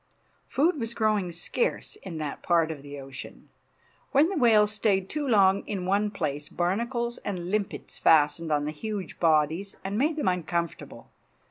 Food was growing scarce in that part of the ocean. When the whales stayed too long in one place barnacles and limpets fastened on the huge bodies, and made them uncomfortable.